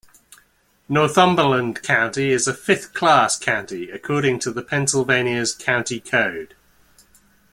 Northumberland County is a fifth class county according to the Pennsylvania's County Code.